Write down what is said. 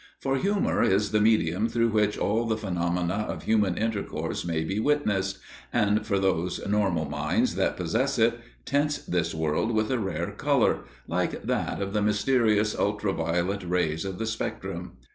For humour is the medium through which all the phenomena of human intercourse may be witnessed, and for those normal minds that possess it, tints this world with a rare colour like that of the mysterious ultra violet rays of the spectrum.